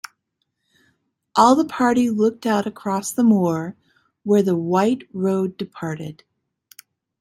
All the party looked out across the moor where the white road departed.